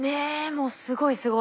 もうすごいすごい。